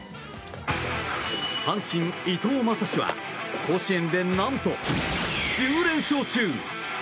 阪神、伊藤将司は甲子園で、何と１０連勝中。